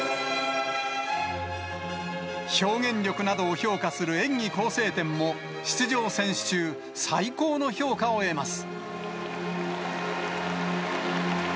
表現力などを評価する演技構成点も出場選手中、最高の評価を得ます。